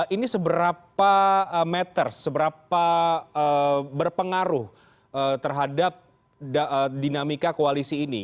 ini seberapa meter seberapa berpengaruh terhadap dinamika koalisi ini